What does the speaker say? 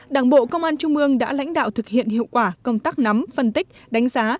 đảng bộ công an trung ương đã lãnh đạo thực hiện hiệu quả công tác nắm phân tích đánh giá